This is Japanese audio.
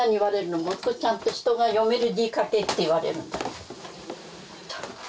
もう少しちゃんと人が読める字書けって言われるんだ。